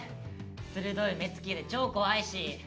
鋭い目付きで超怖いし。